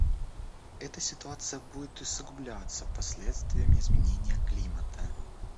Эта ситуация будет усугубляться последствиями изменения климата.